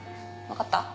わかった？